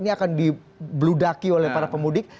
ini akan dibludaki oleh para pemudik